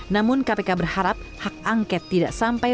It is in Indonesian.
namun kpk berharap hak angket tidak sampai